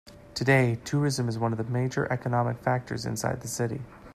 Today, tourism is one of the major economic factors inside the city.